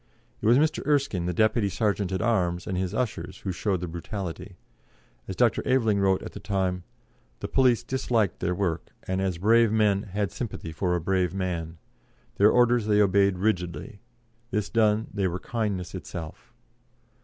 It was Mr. Erskine, the Deputy Serjeant at Arms, and his ushers, who showed the brutality; as Dr. Aveling wrote at the time: "The police disliked their work, and, as brave men, had a sympathy for a brave man. Their orders they obeyed rigidly. This done, they were kindness itself."